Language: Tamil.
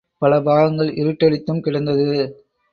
பல பாகங்கள் இருட்டடித்தும் கிடந்தது.